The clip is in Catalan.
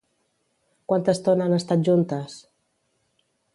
Quanta estona han estat juntes?